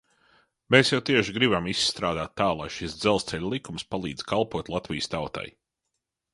Mēs jau tieši gribam izstrādāt tā, lai šis Dzelzceļa likums palīdz kalpot Latvijas tautai.